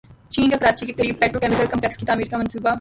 چین کا کراچی کے قریب پیٹرو کیمیکل کمپلیکس کی تعمیر کا منصوبہ